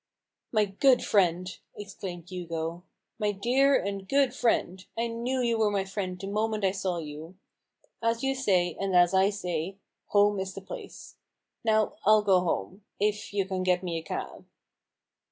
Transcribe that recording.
" My good friend," exclaimed Hugo, " my dear and good friend — I knew you were my friend the moment I saw you — as you say, and as I say, home is the place. Now, I'll go home — if you can get me a cab."